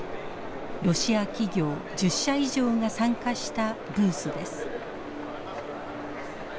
ロシア企業１０社以上が参加したブースです。